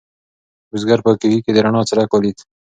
بزګر په کوهي کې د رڼا څرک ولید.